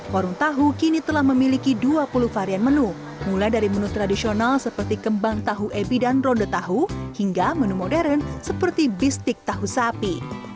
warung tahu kini telah memiliki dua puluh varian menu mulai dari menu tradisional seperti kembang tahu ebi dan ronde tahu hingga menu modern seperti bistik tahu sapi